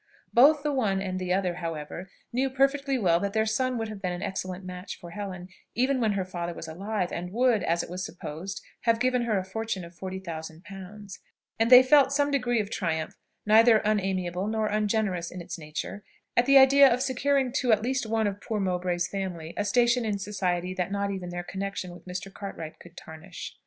Both the one and the other, however, knew perfectly well that their son would have been an excellent match for Helen, even when her father was alive, and would, as it was supposed, have given her a fortune of forty thousand pounds; and they felt some degree of triumph, neither unamiable nor ungenerous in its nature, at the idea of securing to one at least of poor Mowbray's family a station in society that not even their connexion with Mr. Cartwright could tarnish.